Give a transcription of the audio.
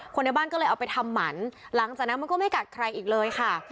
ในบ้านก็เลยเอาไปทำหมันหลังจากนั้นมันก็ไม่กัดใครอีกเลยค่ะ